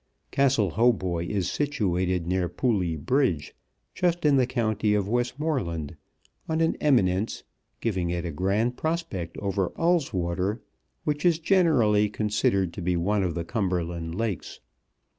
Castle Hautboy is situated near Pooly Bridge, just in the county of Westmoreland, on an eminence, giving it a grand prospect over Ulleswater, which is generally considered to be one of the Cumberland Lakes.